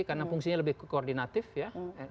karena fungsinya lebih koordinatif ya